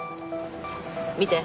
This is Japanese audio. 見て。